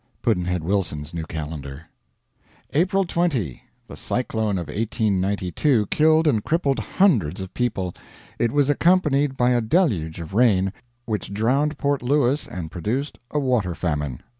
Pudd'nhead Wilson's New Calendar. April 20. The cyclone of 1892 killed and crippled hundreds of people; it was accompanied by a deluge of rain, which drowned Port Louis and produced a water famine.